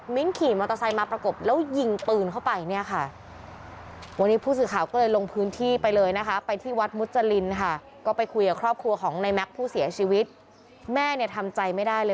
มีแต่คนรักแม็กซ์ก็เป็นคนนิสัยดีมีแต่เพื่อนพี่ป้าน่าเพื่อนฝังเขามีแต่คนรักเขาอะค่ะ